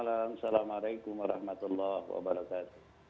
selamat malam assalamualaikum warahmatullahi wabarakatuh